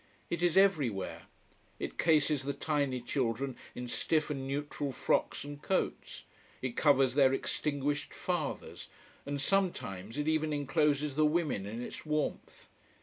It is everywhere. It cases the tiny children in stiff and neutral frocks and coats, it covers their extinguished fathers, and sometimes it even encloses the women in its warmth.